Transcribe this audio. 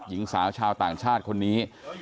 หญิงสาวชาวต่างชาติคนนี้